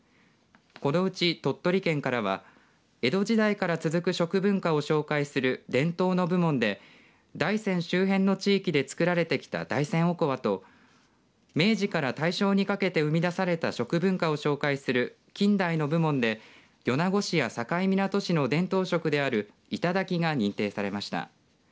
このうち鳥取県からは江戸時代から続く食文化を紹介する伝統の部門で大山周辺の地域で作られてきた大山おこわと明治から大正にかけて生み出された食文化を紹介する近代の部門で米子市や境港市の伝統食であるいただきが認定されました。